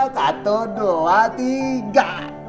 satu dua tiga